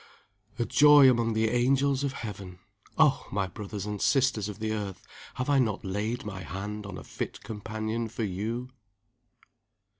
A joy among the angels of heaven oh, my brothers and sisters of the earth, have I not laid my hand on a fit companion for You?